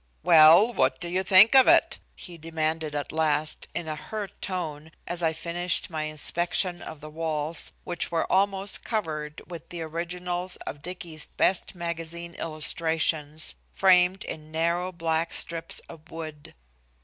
"Well, what do you think of it?" he demanded at last, in a hurt tone, as I finished my inspection of the walls, which were almost covered with the originals of Dicky's best magazine illustrations, framed in narrow, black strips of wood.